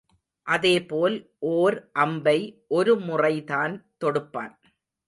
அதே போல் ஓர் அம்பை ஒரு முறைதான் தொடுப்பான்.